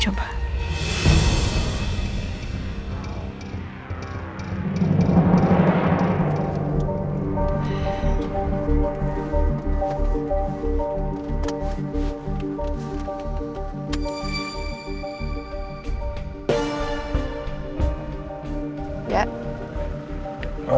nindi nanya sama rena